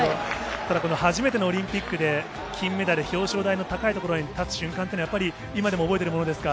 ただこの初めてのオリンピックで金メダル、表彰台の高い所に立つ瞬間っていうのは、やっぱり今でも覚えてるものですか。